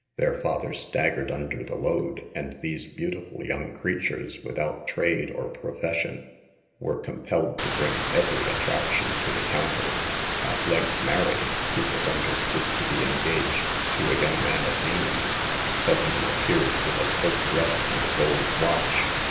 Their father staggered under the load, and these beautiful young creatures, without trade or pro fession, were compelled to bring every attrac tion to the counter. 188 SAVE THE GIRLS. "At length Mary, who was understood to be engaged to a young man of means, suddenly appeared with a silk dress and a gold watch.